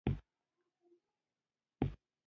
په نشه روږدي يوازې د نشه يیزو توکو په لټه کې وي